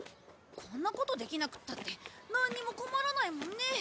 こんなことできなくったってなんにも困らないもんね。